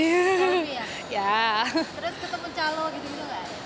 terus ketemu calo gitu dulu gak ada